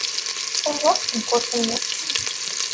Tujjaq tewwurt-nni.